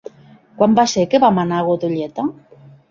Quan va ser que vam anar a Godelleta?